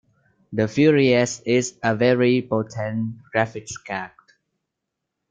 The Fury X is a very potent graphics card.